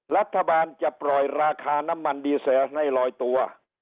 รัฐบาลจะปล่อยราคาน้ำมันดีเซลให้ลอยตัว